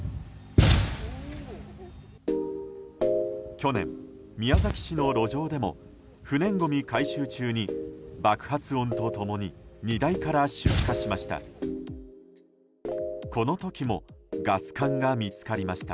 去年、宮崎市の路上でも不燃ごみ回収中に爆発音と共に荷台から出火しました。